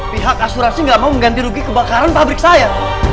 pihak asuransi nggak mau mengganti rugi kebakaran pabrik saya